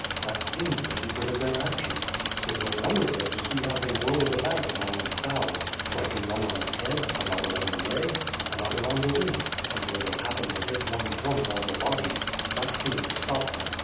That seems the secret of their action. It was wonderful to see how they whirled about among the fowl, striking one on the head, another on the leg, another on the wing, until they happened to hit one plump on the body; that seemed to stop them.